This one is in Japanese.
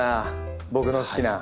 僕の好きな。